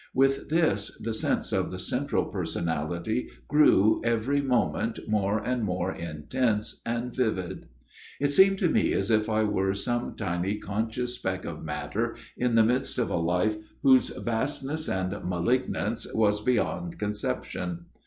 With this the sense of the central personality grew every moment more and more intense and vivid. It seemed to me as if I were some tiny conscious speck of matter in the midst of a life whose vastness and malignance was beyond conception.